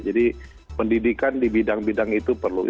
jadi pendidikan di bidang bidang itu perlu